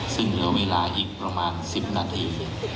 ซึ่งเหลือเวลาอีกประมาณ๑๐นาที